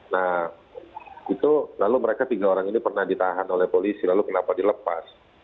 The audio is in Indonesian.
nah itu lalu mereka tiga orang ini pernah ditahan oleh polisi lalu kenapa dilepas